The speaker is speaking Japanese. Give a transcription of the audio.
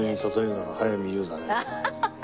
アハハハ！